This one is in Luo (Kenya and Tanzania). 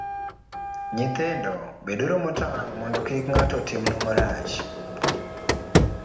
Nyithindo, beduru motang' mondo kik ng'ato timnu marach.